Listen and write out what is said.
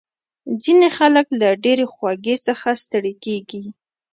ځینې خلک له ډېرې خوږې څخه ستړي کېږي.